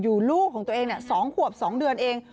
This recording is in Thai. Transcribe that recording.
อยู่ลูกของตัวเองเนี่ย๒ขวบ๒เดือนเอง